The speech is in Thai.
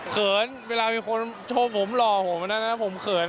เขินเวลามีคนชมผมหล่อผมแล้วผมเขิน